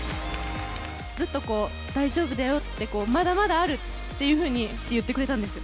ずっとこう、大丈夫だよって、まだまだあるっていうふうに言ってくれたんですよ。